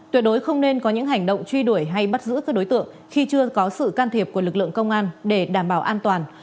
tuyệt đối không nên có những hành động truy đuổi hay bắt giữ các đối tượng khi chưa có sự can thiệp của lực lượng công an để đảm bảo an toàn